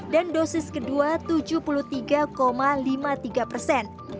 dan dosis kedua tujuh puluh tiga lima puluh tiga persen